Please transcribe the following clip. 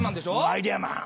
アイデアマン。